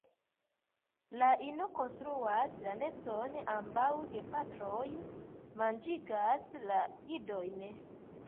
La ino konstruas la neston; ambaŭ gepatroj manĝigas la idojn.